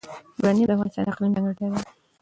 یورانیم د افغانستان د اقلیم ځانګړتیا ده.